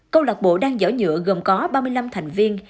câu lạc bộ đăng giỏ nhựa gồm có ba mươi năm thành viên